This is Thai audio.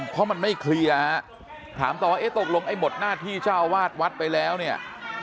เพราะมันไม่เคลียร์ถามต่อตกลงไอ้หมดหน้าที่ชาววาดวัดไปแล้วเนี่ย